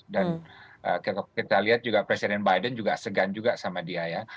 dan kita lihat juga presiden biden juga segan juga sama dia ya